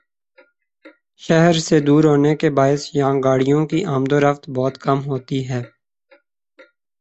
شہر سے دور ہونے کے باعث یہاں گاڑیوں کی آمدورفت بہت کم ہوتی ہے ۔